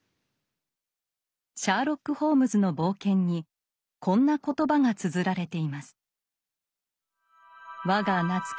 「シャーロック・ホームズの冒険」にこんな言葉がつづられています。